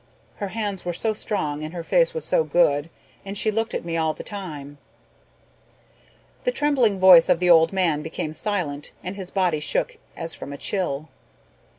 Her hands were so strong and her face was so good and she looked at me all the time." The trembling voice of the old man became silent and his body shook as from a chill.